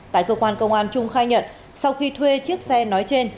tại cơ quan công an trung khai nhận sau khi thuê chiếc xe nói trên